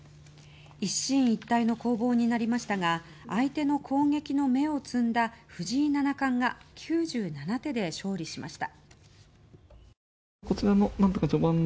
一進一退の攻防になりましたが相手の攻撃の芽を摘んだ藤井七冠が９７手で勝利しました。